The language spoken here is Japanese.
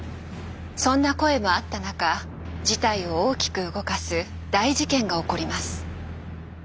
そんな声もあった中事態を大きく動かす大事件が起こります。